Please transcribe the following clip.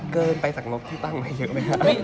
เกินไปจากงบที่ตั้งไว้เยอะไหมครับ